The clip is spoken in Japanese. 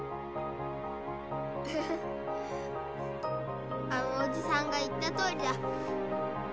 ハハあのおじさんが言ったとおりだ。